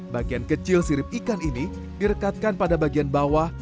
bagian kecil sirip ikan ini direkatkan pada bagian bawah